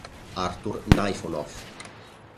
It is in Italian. Artur Najfonov